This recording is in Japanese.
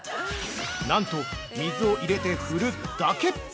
なんと、水を入れて振るだけ！